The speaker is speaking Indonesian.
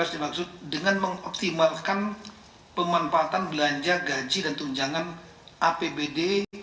dimaksud dengan mengoptimalkan pemanfaatan belanja gaji dan tunjangan apbd dua ribu empat